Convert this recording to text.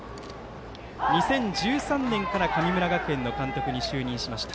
２０１３年から神村学園の監督に就任しました。